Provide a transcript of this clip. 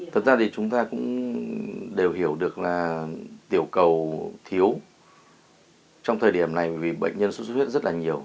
thực ra thì chúng ta cũng đều hiểu được là tiểu cầu thiếu trong thời điểm này vì bệnh nhân sốt xuất huyết rất là nhiều